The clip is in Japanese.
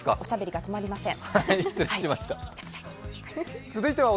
おしゃべりが止まりません。